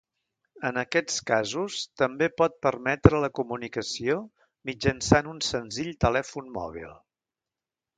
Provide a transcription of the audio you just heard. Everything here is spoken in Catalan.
En aquests casos, també pot permetre la comunicació mitjançant un senzill telèfon mòbil.